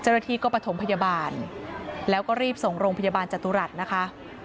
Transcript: เจ้าหน้าที่ก็ประถมพยาบาลแล้วก็รีบส่งโรงพยาบาลจตุรัสนะคะ